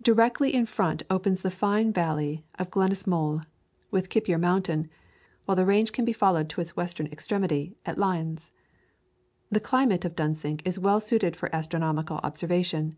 Directly in front opens the fine valley of Glenasmole, with Kippure Mountain, while the range can be followed to its western extremity at Lyons. The climate of Dunsink is well suited for astronomical observation.